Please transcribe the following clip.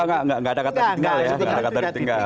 enggak enggak enggak ada kata ditinggal ya